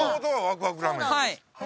はい。